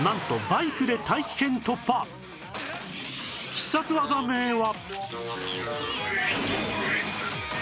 必殺技名は